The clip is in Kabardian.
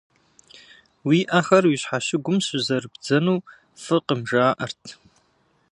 Уи ӏэхэр уи щхьэщыгум щызэрыбдзэну фӏыкъым жаӏэрт.